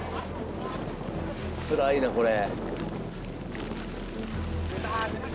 つらいなこれ。